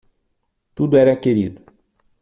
Tudo era querido.